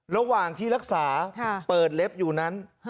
ระหว่างที่รักษาเปิดเล็บอยู่นั้น